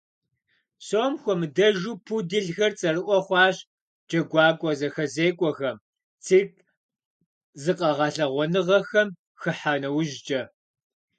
Псом хуэмыдэжу пуделхэр цӏэрыӏуэ хъуащ джэгуакӏуэ зэхэзекӏуэхэм, цирк зыкъэгъэлъагъуэныгъэхэм хыхьа нэужькӏэ.